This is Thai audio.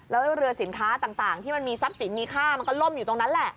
แล้วเรือสินค้าต่างที่มันมีทรัพย์สินมีค่ามันก็ล่มอยู่ตรงนั้นแหละ